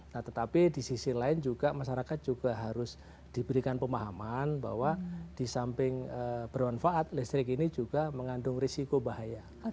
nah tetapi di sisi lain juga masyarakat juga harus diberikan pemahaman bahwa di samping bermanfaat listrik ini juga mengandung risiko bahaya